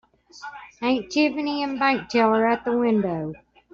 Aunt Tiffany and bank teller at the window.